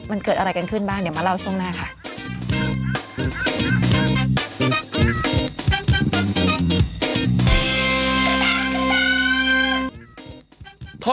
มันเกิดอะไรกันขึ้นบ้างเดี๋ยวมาเล่าช่วงหน้าค่ะ